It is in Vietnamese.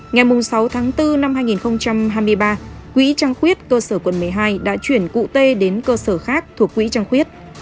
ngày sáu tháng bốn năm hai nghìn hai mươi ba quỹ trăng khuyết cơ sở quận một mươi hai đã chuyển cụ tê đến cơ sở khác thuộc quỹ trăng khuyết